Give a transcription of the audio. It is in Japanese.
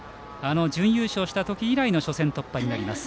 準優勝した時以来の初戦突破になります。